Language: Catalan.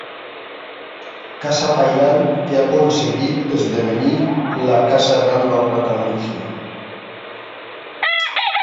Casa pairal que ha aconseguit esdevenir la casa gran del catalanisme.